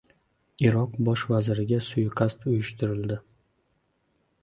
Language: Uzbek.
Iroq bosh vaziriga suiqasd uyushtirildi